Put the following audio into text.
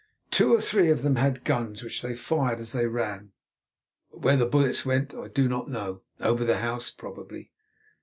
Two or three of them had guns, which they fired as they ran, but where the bullets went I do not know, over the house probably.